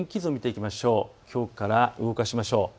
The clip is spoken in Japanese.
きょうから動かしましょう。